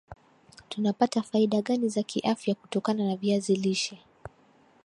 tunapata faida gani za kiafya kutokana na viazi lishe